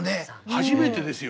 初めてですよ。